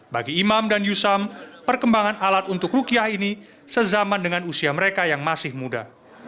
bagi imam dan yusam perkembangan alat untuk rukiah ini sezaman dengan usia mereka yang masih muda